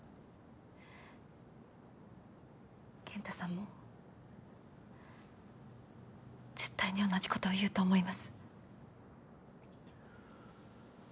健太さんも絶対に同じことを言うと思います。